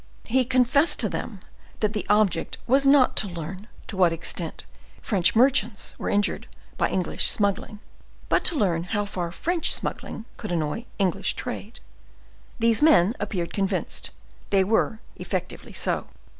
He confessed to them that the object was not to learn to what extent French merchants were injured by English smuggling, but to learn how far French smuggling could annoy English trade. These men appeared convinced; they were effectively so.